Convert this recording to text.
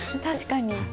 確かに。